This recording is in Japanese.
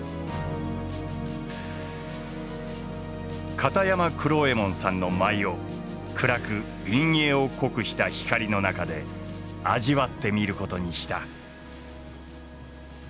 片山九郎右衛門さんの舞を暗く陰影を濃くした光の中で味わってみることにした。